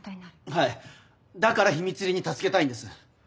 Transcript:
はいだから秘密裏に助けたいんです。